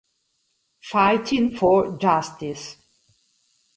Fighting for Justice